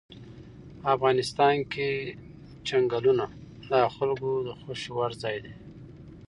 افغانستان کې چنګلونه د خلکو د خوښې وړ ځای دی.